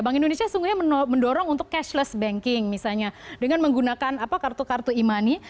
bank indonesia sungguhnya mendorong untuk cashless banking misalnya dengan menggunakan kartu kartu e money